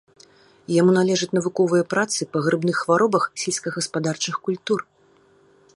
Яму належаць навуковыя працы па грыбных хваробах сельскагаспадарчых культур.